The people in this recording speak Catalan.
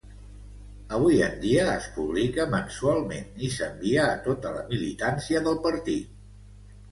Avui en dia es publica mensualment i s'envia a tota la militància del partit.